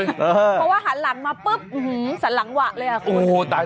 เพราะว่าหันหลังมาปุ๊บสันหลังหวะเลยอ่ะคุณ